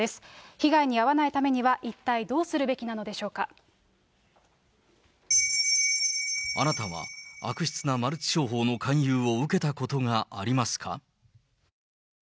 被害に遭わないためには一体どうあなたは悪質なマルチ商法の勧誘を受けたことがありますか？